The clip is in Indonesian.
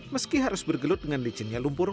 meski harus bergelut dengan licinnya lumpur